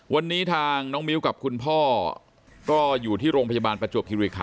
วันนี้ทางน้องมิ้วกับคุณพ่อก็อยู่ที่โรงพยาบาลประจวบคิริขัน